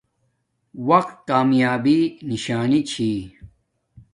وقت کامیابی نشانی چھی